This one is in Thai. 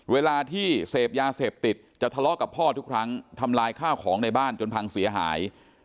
เวลาที่เสพยาเสพติดจะทะเลาะกับพ่อทุกครั้งทำลายข้าวของในบ้านจนพังเสียหาย